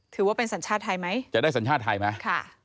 ถือว่าเป็นสัญชาติไทยไหมจะได้สัญชาติไทยไหมค่ะ